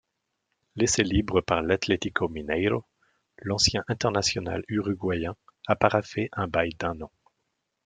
Laissé libre par l'Atlético Mineiro, l'ancien international uruguayen a paraphé un bail d'un an.